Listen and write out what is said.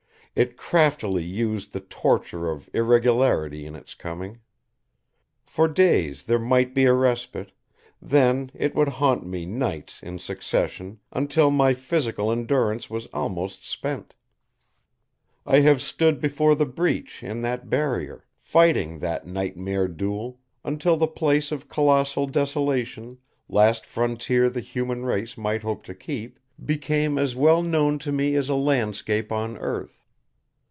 It craftily used the torture of irregularity in Its coming. For days there might be a respite, then It would haunt me nights in succession until my physical endurance was almost spent. I have stood before the breach in that Barrier, fighting that nightmare duel, until the place of colossal desolation, last frontier the human race might hope to keep, became as well known to me as a landscape on earth.